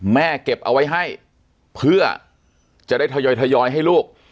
เก็บเอาไว้ให้เพื่อจะได้ทยอยให้ลูก